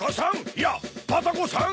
いやバタコさん！